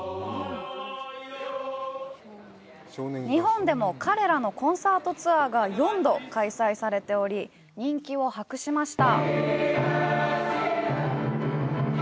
日本でも彼らのコンサートツアーが４度開催されており、人気を博しました。